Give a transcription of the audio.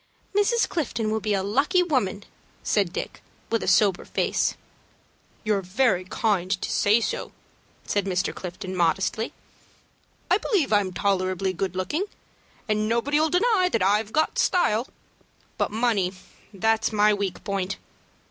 "Mrs. Clifton will be a lucky woman," said Dick, with a sober face. "You're very kind to say so," said Mr. Clifton, modestly. "I believe I'm tolerably good looking, and nobody'll deny that I've got style. But money, that's my weak point.